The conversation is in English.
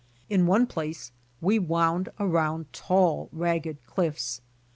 In one place we wound around tall, ragged cliffs.